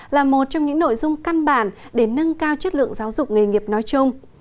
là một trong những nội dung căn bản để nâng cao chất lượng giáo dục nghề nghiệp nói chung